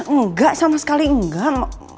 enggak sama sekali enggak